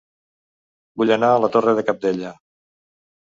Vull anar a La Torre de Cabdella